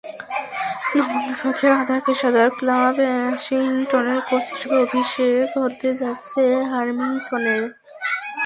নবম বিভাগের আধা পেশাদার ক্লাব অ্যাশিংটনের কোচ হিসেবে অভিষেক হতে যাচ্ছে হার্মিসনের।